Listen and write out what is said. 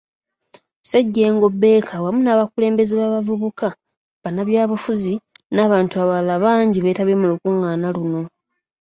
Ssejjengo Baker wamu n'abakulembeze b'abavubuka, bannabyabufuzi n'abantu abalala bangi beetabye mu lukungaana luno.